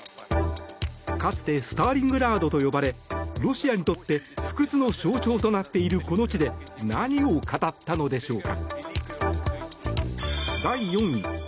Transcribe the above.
かつてスターリングラードと呼ばれロシアにとって不屈の象徴となっているこの地で何を語ったのでしょうか。